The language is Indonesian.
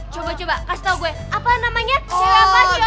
coba coba kasih tau gue apa namanya cewek apa siapa